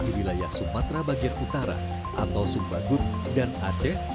di wilayah sumatra bagian utara atau sumbagut dan aceh